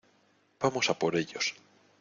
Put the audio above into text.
vamos a por ellos.